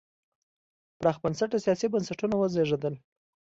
پراخ بنسټه سیاسي بنسټونه وزېږېدل.